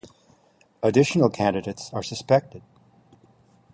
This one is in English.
Additional candidates are suspected.